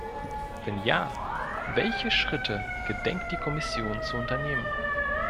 Wenn ja, welche Schritte gedenkt die Kommission zu unternehmen?